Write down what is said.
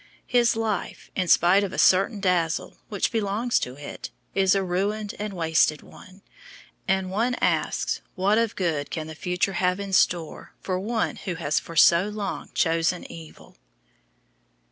His life, in spite of a certain dazzle which belongs to it, is a ruined and wasted one, and one asks what of good can the future have in store for one who has for so long chosen evil?